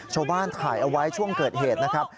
ชาวบ้านถ่ายเอาไว้ช่วงเกิดเหตุนะครับ